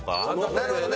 なるほどね。